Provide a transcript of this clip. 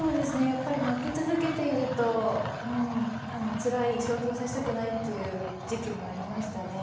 やっぱり負け続けているとつらい将棋を指したくないっていう時期もありましたね。